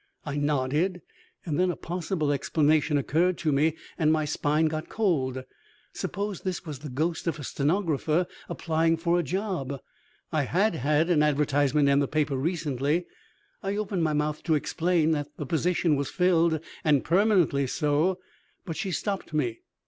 I nodded, and then a possible explanation occurred to me and my spine got cold. Suppose this was the ghost of a stenographer applying for a job! I had had an advertisement in the paper recently. I opened my mouth to explain that the position was filled, and permanently so, but she stopped me.